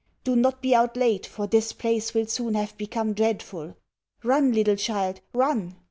Do not be out late, for this place will soon have become dreadful! Run, little child! Run!"